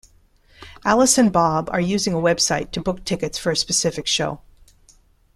Alice and Bob are using a website to book tickets for a specific show.